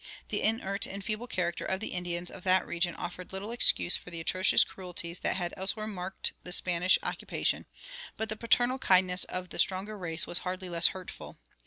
The inert and feeble character of the Indians of that region offered little excuse for the atrocious cruelties that had elsewhere marked the Spanish occupation; but the paternal kindness of the stronger race was hardly less hurtful.